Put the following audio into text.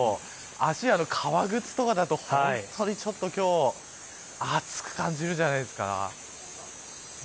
足、革靴とかだと本当に今日は暑く感じるんじゃないですか。